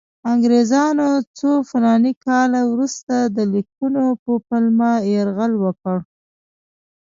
انګریزانو څو فلاني کاله وروسته د لیکونو په پلمه یرغل وکړ.